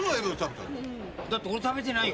だって俺食べてないよ。